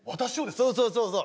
そうそうそうそう。